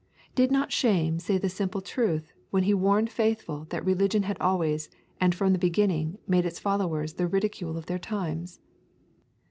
Did not Shame say the simple truth when he warned Faithful that religion had always and from the beginning made its followers the ridicule of their times?